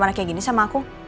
anak kayak gini sama aku